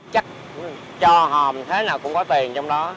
chắc cho hòm thế nào cũng có tiền trong đó